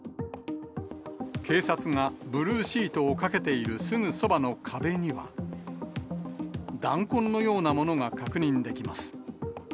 警察がブルーシートをかけているすぐそばの壁には、弾痕のようなものが確認できます。